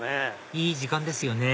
いい時間ですよね